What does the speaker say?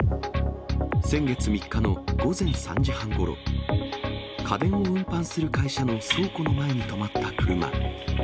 先月３日の午前３時半ごろ、家電を運搬する会社の倉庫の前に止まった車。